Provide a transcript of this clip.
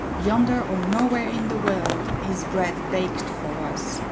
Yonder, or nowhere in the world, is bread baked for us.